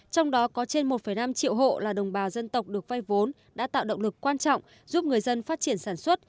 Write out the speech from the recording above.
trong đó có trên một năm triệu hộ là đồng bào dân tộc được vay vốn đã tạo động lực quan trọng giúp người dân phát triển sản xuất